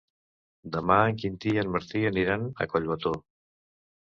Demà en Quintí i en Martí aniran a Collbató.